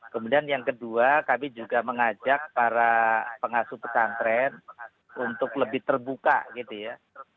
kemudian yang kedua kami juga mengajak para pengasuh pesantren untuk lebih terbuka gitu ya